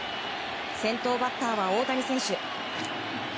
先頭バッターは大谷選手。